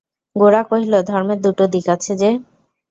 গোরা কহিল, ধর্মের দুটো দিক আছে যে।